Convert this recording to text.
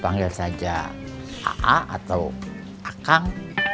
panggil saja a'a atau a'kang